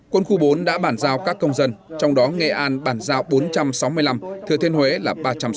quân khu bốn đã bàn giao các công dân trong đó nghệ an bàn giao bốn trăm sáu mươi năm thừa thiên huế là ba trăm sáu mươi